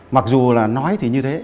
mặc dù là nói thì như thế